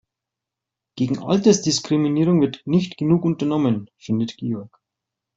Gegen Altersdiskriminierung wird nicht genug unternommen, findet Georg.